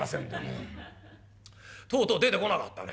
「チッとうとう出てこなかったね。